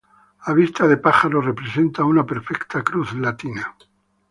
A vista de pájaro representa una perfecta cruz latina.